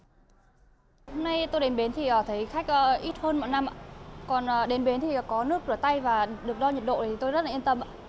hôm nay tôi đến bến thì thấy khách ít hơn mỗi năm còn đến bến thì có nước rửa tay và được đo nhiệt độ thì tôi rất là yên tâm ạ